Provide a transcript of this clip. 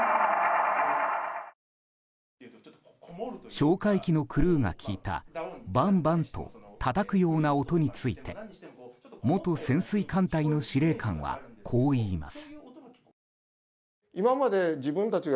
哨戒機のクルーが聞いたバンバンとたたくような音について元潜水艦隊の司令官はこう言います。